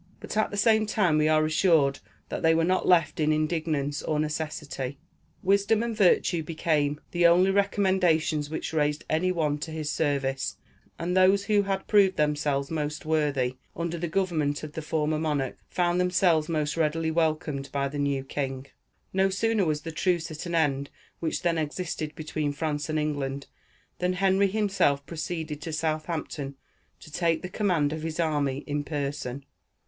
But at the same time we are assured that they were not left in indigence or necessity. Wisdom and virtue became the only recommendations which raised any one to his service, and those who had proved themselves most worthy, under the government of the former monarch, found themselves most readily welcomed by the new king. No sooner was the truce at an end which then existed between France and England, than Henry himself proceeded to Southampton to take the command of his army in person.